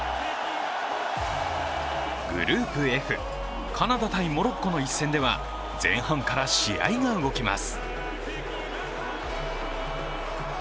グループＦ、カナダ×モロッコの一戦では前半から試合が動きます。